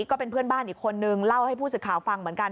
ก็เป็นเพื่อนบ้านอีกคนนึงเล่าให้ผู้สื่อข่าวฟังเหมือนกัน